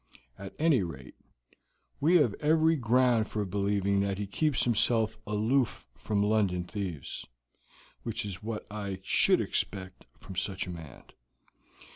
At any rate, we have every ground for believing that he keeps himself aloof from London thieves, which is what I should expect from such a man.